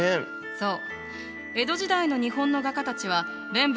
そう。